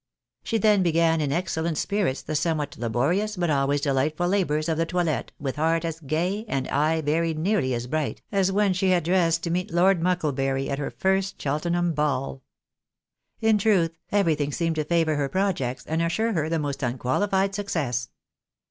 129 She then began in excellent spirits the somewhat laborious but always dehghtful labours of the toilet, with a heart as gay, and an eye very nearly as bright, as when she had dressed to meet Lord Mucklebury at her first Cheltenham ball. In truth, everything seemed to favour her projects, and assure her the most unquahfied success.